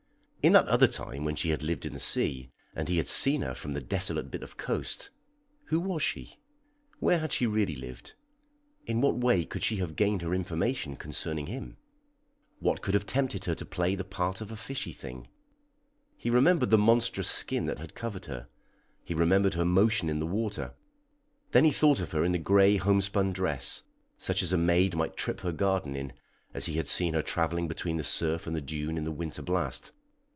In that other time when she had lived in the sea, and he had seen her from the desolate bit of coast, who was she? Where had she really lived? In what way could she have gained her information concerning him? What could have tempted her to play the part of a fishy thing? He remembered the monstrous skin that had covered her; he remembered her motion in the water. Then he thought of her in the gray homespun dress, such as a maid might trip her garden in, as he had seen her travelling between the surf and the dune in the winter blast.